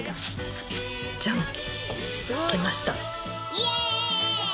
イエーイ！